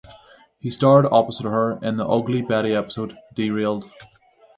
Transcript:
He starred opposite her in the "Ugly Betty" episode "Derailed".